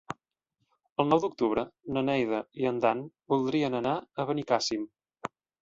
El nou d'octubre na Neida i en Dan voldrien anar a Benicàssim.